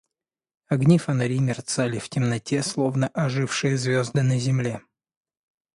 Огни фонарей мерцали в темноте, словно ожившие звезды на земле.